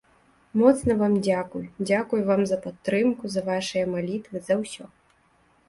Моцна вам дзякуй, дзякуй вам за падтрымку, за вашыя малітвы, за ўсё.